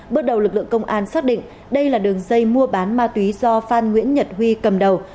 bước đầu lực lượng công an xác định đây là đường dây mua bán ma túy do phan nguyễn nhật huy cầm đầu